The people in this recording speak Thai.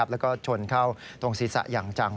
แล้วก็ชนเข้าตรงศีรษะอย่างจัง